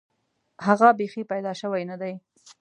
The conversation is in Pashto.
هغه بیخي پیدا شوی نه دی.